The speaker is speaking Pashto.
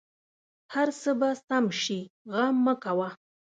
هر څه به سم شې غم مه کوه